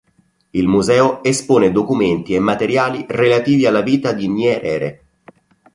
Il museo espone documenti e materiali relativi alla vita di Nyerere.